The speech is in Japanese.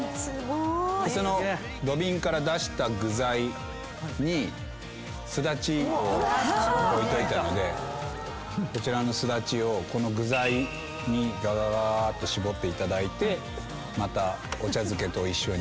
その土瓶から出した具材にすだちを置いといたのでこちらのすだちをこの具材にがががーっと搾っていただいてまたお茶漬けと一緒に。